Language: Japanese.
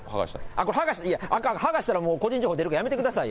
これ、剥がしたらあかん、個人情報出るからやめてくださいよ。